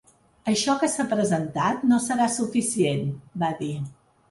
Això que s’ha presentat no serà suficient, va dir.